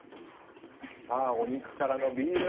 さあお肉からのビール！